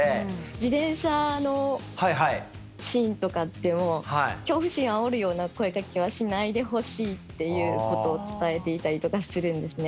自転車のシーンとかってもう恐怖心をあおるような声かけはしないでほしいっていうことを伝えていたりとかするんですね。